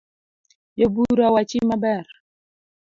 Jobura owachi maber